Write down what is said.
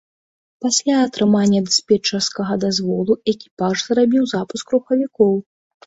Пасля атрымання дыспетчарскага дазволу, экіпаж зрабіў запуск рухавікоў.